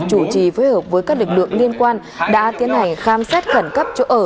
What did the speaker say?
chủ trì phối hợp với các lực lượng liên quan đã tiến hành khám xét khẩn cấp chỗ ở